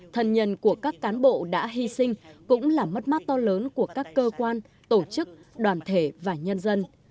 thần nhân của các cán bộ đã hy sinh cũng là mất mát to lớn của các cơ quan tổ chức đoàn thể và nhân dân